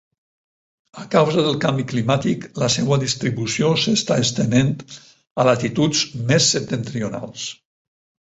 A causa del canvi climàtic, la seua distribució s'està estenent a latituds més septentrionals.